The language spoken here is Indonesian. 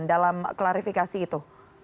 dalam klarifikasi itu